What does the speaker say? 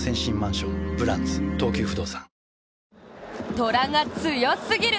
虎が強すぎる！